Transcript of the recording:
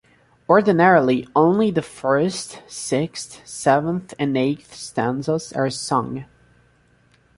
Ordinarily, only the first, sixth, seventh and eighth stanzas are sung.